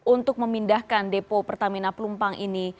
untuk memindahkan depo pertamina pelumpang ini